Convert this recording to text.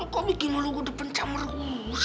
lu kok bikin mah lu udah pencam merungu sih